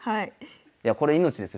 いやこれ命ですよ。